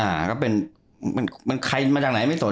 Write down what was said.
เอ๋อก็เป็นมันใครมาจากไหนไม่สน